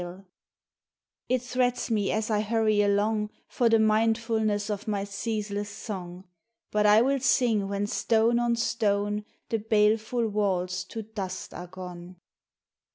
81 F 82 GLENMALURE " It threats me as I hurry along For the mindfulness of my ceaseless song; But I will sing when stone on stone The baleful walls to dust are gone.